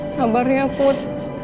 sabar ya put